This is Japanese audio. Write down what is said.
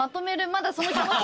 まだその気持ち。